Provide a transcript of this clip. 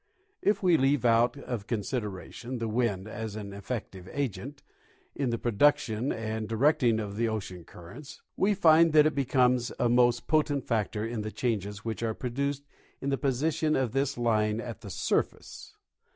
If we leave out of consideration the wind as an efiective agent in the production and directing of the oceanic currents, Ave find that it becomes a most potent factor in the clianges wliich are Influence of Winds on the Gulf Stream. 163 produced in the position of this line at the surface.